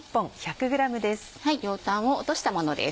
両端を落としたものです